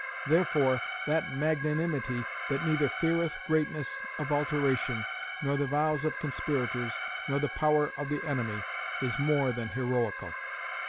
Therefore that magnanimity that neither feareth greatness of alteration, nor the vows of conspirators, nor the power of the enemy, is more than heroical."